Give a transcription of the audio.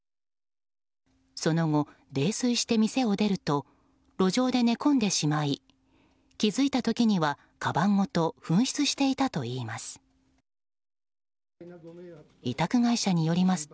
その後、泥酔して店を出ると路上で寝込んでしまい気づいた時にはかばんごと紛失していたといいます。